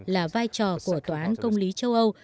là vai trò của tòa án công lý châu âu